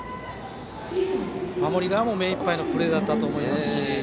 守り側も目いっぱいのプレーだったと思いますし。